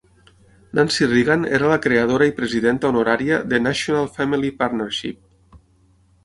Nancy Reagan era la creadora i presidenta honoraria de National Family Partnership.